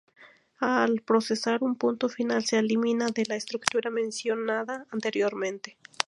Al procesar un punto final se elimina de la estructura mencionada anteriormente.